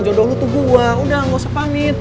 jodoh lu tuh gue udah gak usah pamit